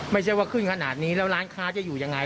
ไม่ใช่ว่าขึ้นขนาดนี้แล้วร้านค้าจะอยู่ยังไง